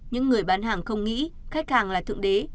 những người bán hàng không nghĩ khách hàng là thượng đế